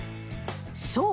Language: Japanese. そう。